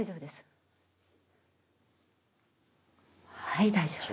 はい大丈夫です。